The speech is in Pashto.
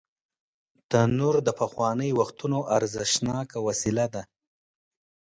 تنور د پخوانیو وختونو ارزښتناکه وسیله ده